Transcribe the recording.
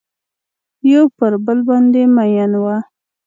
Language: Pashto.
یو پر بل باندې میین وه